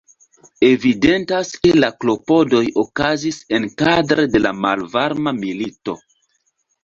Evidentas ke la klopodoj okazis enkadre de la Malvarma Milito.